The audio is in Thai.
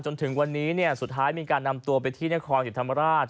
จนถึงวันนี้เนี่ยสุดท้ายมีการนำตัวไปที่ณฮศิษย์ธรรมราช